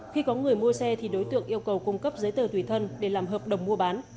khi có người mua xe thì đối tượng yêu cầu cung cấp giấy tờ tùy thân để làm hợp đồng mua bán